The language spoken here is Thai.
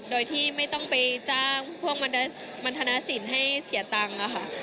โดยที่ไม่ต้องไปจ้างพวกมันธนสินให้เสียตังค์ค่ะ